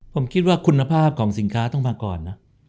ผมคิดว่าคุณภาพของสินค้าต้องมาก่อนนะ